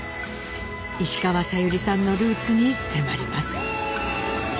石川さゆりさんのルーツに迫ります。